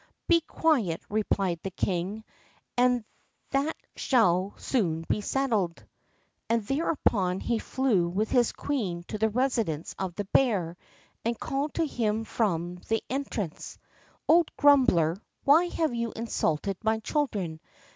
"Be quiet," replied the king, "and that shall soon be settled." And thereupon he flew with his queen to the residence of the bear, and called to him from the entrance, "Old grumbler, why have you insulted my children?